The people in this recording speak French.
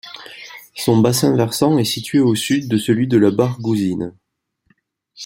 Son bassin versant est situé au sud de celui de la Bargouzine.